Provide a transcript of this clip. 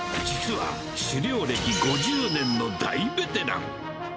実は、狩猟歴５０年の大ベテラン。